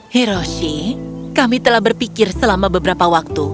hiroshi kami telah berpikir selama beberapa waktu